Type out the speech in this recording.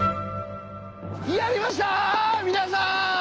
やりました皆さん！